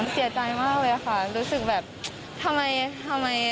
เสียใจมากเลยค่ะรู้สึกแบบทำไมทำไม